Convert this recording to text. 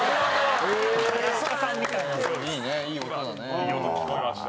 いい音聞こえました。